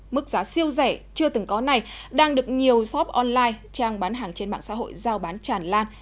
mức giá siêu rẻ chưa từng có này đang được nhiều shop online trang bán hàng trên mạng xã hội giao bán tràn lan